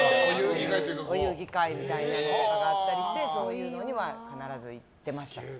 お遊戯会みたいなのがあったりしてそういうのには必ず行ってました。